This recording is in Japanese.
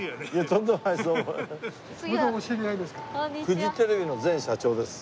フジテレビの前社長です。